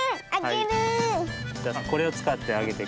じゃあこれをつかってあげてください。